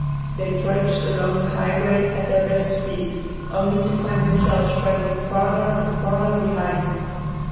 They trudged along the highway at their best speed, only to find themselves straggling farther and farther behind.